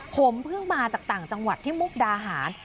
ผมเพิ่งมาจากต่างจังหวัดที่มุกดาหาร